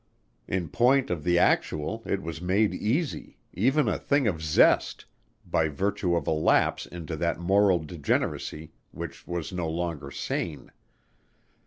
In point of the actual it was made easy even a thing of zest by virtue of a lapse into that moral degeneracy which was no longer sane.